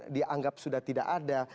dianggap sudah tidak ada